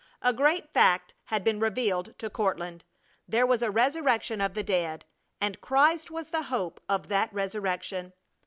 A great fact had been revealed to Courtland: There was a resurrection of the dead, and Christ was the hope of that resurrection!